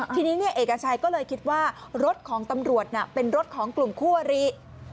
ทีนี้เอกชัยก็เลยคิดว่ารถของตำรวจเป็นรถของกลุ่มคู่อริ